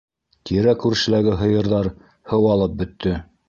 Тирә-күршеләге һыйырҙар һыуалып бөттө.